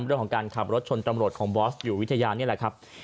เรื่องของการขับรถชนตำรวจของบอสอยู่วิทยานี่แหละครับ